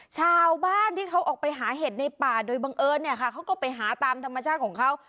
ชาวบ้านที่เขาออกไปหาเห็ดในป่าโดยบังเอิญเนี่ยค่ะเขาก็ไปหาตามธรรมชาติของเขา